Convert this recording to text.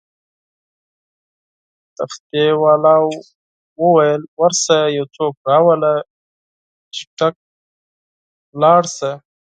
تختې والاو وویل: ورشه یو څوک راوله، چټک لاړ شه.